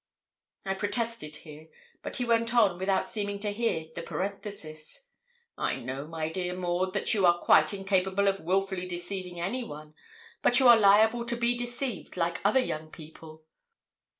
I protested here. But he went on without seeming to hear the parenthesis 'I know, my dear Maud, that you are quite incapable of wilfully deceiving anyone; but you are liable to be deceived like other young people.